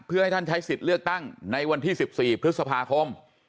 เพื่อให้ท่านใช้สิทธิ์เลือกตั้งในวันที่๑๔พฤษภาคม